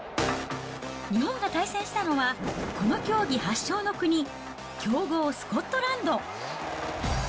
日本が対戦したのは、この競技発祥の国、強豪スコットランド。